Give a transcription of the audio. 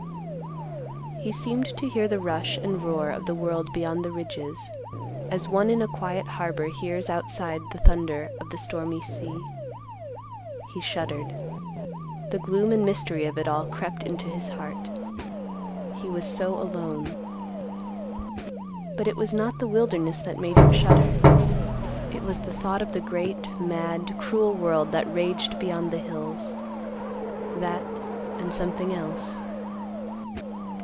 He seemed to hear the rush and roar of the world beyond the ridges, as one in a quiet harbor hears outside the thunder of the stormy sea. He shuddered. The gloom and mystery of it all crept into his heart. He was so alone. But it was not the wilderness that made him shudder. It was the thought of the great, mad, cruel world that raged beyond the hills; that, and something else.